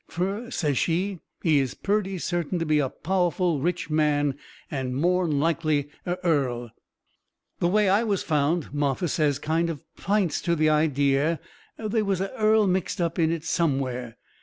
Fur, says she, he is purty certain to be a powerful rich man and more'n likely a earl. The way I was found, Martha says, kind o' pints to the idea they was a earl mixed up in it somewhere.